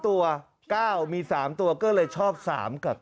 ตัว๙มี๓ตัวก็เลยชอบ๓กับ๙